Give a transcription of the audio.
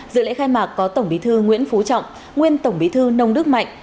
dự lễ khai mạc có tổng bí thư nguyễn phú trọng nguyên tổng bí thư nông đức mạnh